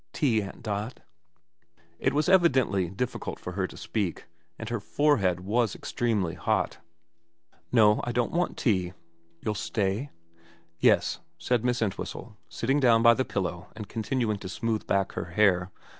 Tea, Aunt Dot ?' It was evidently difficult for her to speak, and her forehead was extremely hot. 4 No, I don't want tea.' You'll stay ?' 4 Yes,' said Miss Entwhistle, sitting down by the pillow and continuing to smooth back her hair.